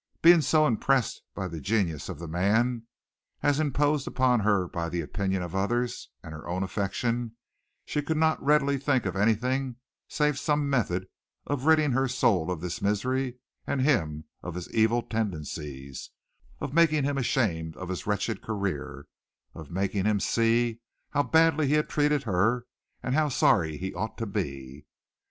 Being so impressed by the genius of the man, as imposed upon her by the opinion of others and her own affection, she could not readily think of anything save some method of ridding her soul of this misery and him of his evil tendencies, of making him ashamed of his wretched career, of making him see how badly he had treated her and how sorry he ought to be.